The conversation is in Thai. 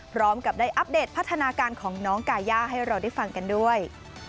พร้อมกับได้อัปเดตพัฒนาการของน้องกาย่าให้เราได้ฟังกันด้วย